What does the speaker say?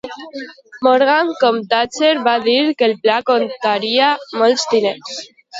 Morgan, com Thatcher, va dir que el pla costaria molts diners.